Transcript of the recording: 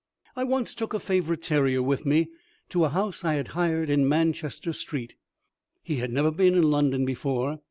I once took a favourite terrier with me to a house I had hired in Manchester Street. He had never been in London before.